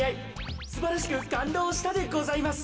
すばらしくかんどうしたでございます。